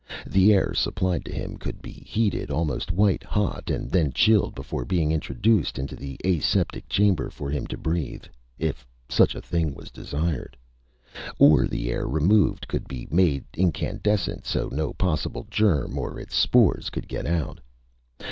The air supplied to him could be heated almost white hot and then chilled before being introduced into the aseptic chamber for him to breath, if such a thing was desired. Or the air removed could be made incandescent so no possible germ or its spores could get out.